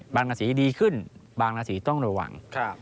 ราศีดีขึ้นบางราศีต้องระวัง